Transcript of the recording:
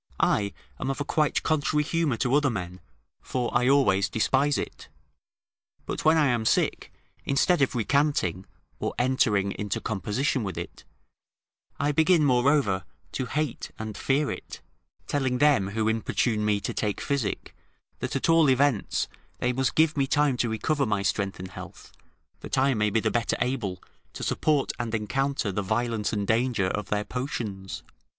I am of a quite contrary humour to other men, for I always despise it; but when I am sick, instead of recanting, or entering into composition with it, I begin, moreover, to hate and fear it, telling them who importune me to take physic, that at all events they must give me time to recover my strength and health, that I may be the better able to support and encounter the violence and danger of their potions.